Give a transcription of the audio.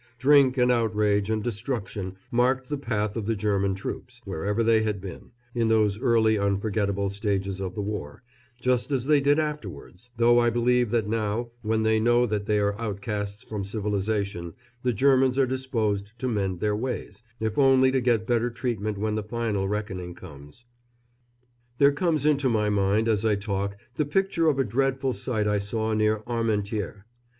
Drink and outrage and destruction marked the path of the German troops, wherever they had been, in those early unforgettable stages of the war, just as they did afterwards; though I believe that now, when they know that they are outcasts from civilisation, the Germans are disposed to mend their ways, if only to get better treatment when the final reckoning comes. There comes into my mind as I talk the picture of a dreadful sight I saw near Armentières.